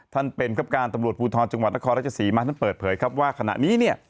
ท่านเป็นครับการตำรวจภูทรจังหวัดนครราชสีมาท่านเปิดเผยครับว่าขณะนี้เนี่ย